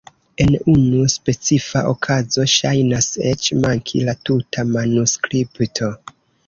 En unu specifa okazo ŝajnas eĉ manki la tuta manuskripto!